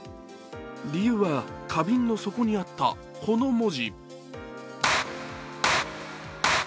理由は花瓶の底にあったこの文字。